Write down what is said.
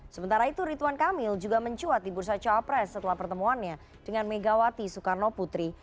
sementara itu rituan kamil juga mencuat di bursa cawapres setelah pertemuannya dengan megawati soekarno putri